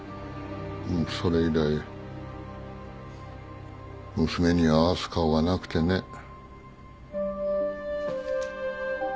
もうそれ以来娘に合わす顔がなくてね。